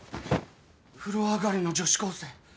風呂上がりの女子高生。